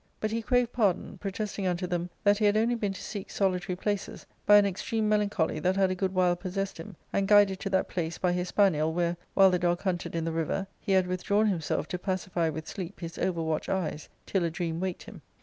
But he craved pardon, protesting unto them that he had only been to seek solitary places by an extreme melancholy that had a good while possessed him, and guided to that place by his spaniel, where, while the dog hunted in the river, he had withdrawn himself to pacify with sleep his over watched eyes, till a dream waked him.